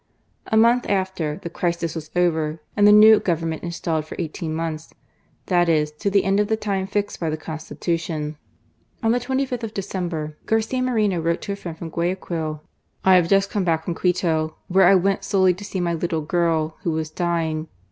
A month after, the crisis was over, and the new Govern ^ 184 GARCIA MORmO. ment installed for ei|^teen months, that is, to the «id of the time fixed by the Constitution. On the 25th of December, Garcia Mqrenq wrote to a friend from Guayaquil :'* I have just come back from Quito, where I went solely to see my little girl, who was dying.